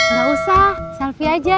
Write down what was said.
gak usah selfie aja